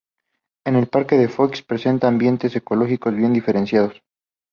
El Parque del Foix presenta ambientes ecológicos bien diferenciados.